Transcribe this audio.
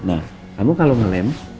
nah kamu kalau ngelem